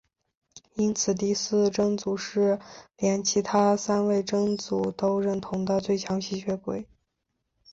因此第四真祖是连其他三位真祖都认同的最强吸血鬼。